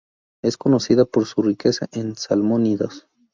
Es conocida por su riqueza en salmónidos.